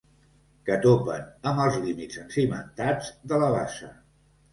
Que topen amb els límits encimentats de la bassa.